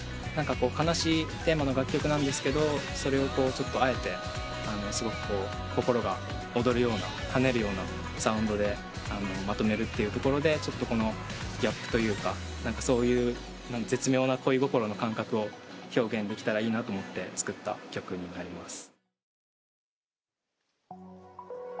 悲しいテーマの楽曲なんですがそれをあえてすごく心が躍るようなはねるようなサウンドでまとめるっていうところでギャップというかそういう絶妙な恋心の感覚を表現できたらいいなと思って作った曲になります。